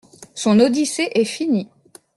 Son Odyssée est finie.